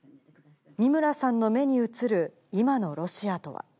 三村さんの目に映る今のロシアとは。